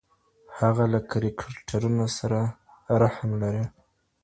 هغه له کرکټرونو سره رحم لري.